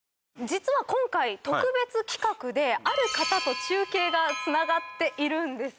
実は今回特別企画である方と中継がつながっているんです。